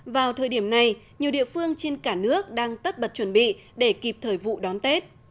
vào thời điểm này nhiều địa phương trên cả nước đang tất bật chuẩn bị để kịp thời vụ đón tết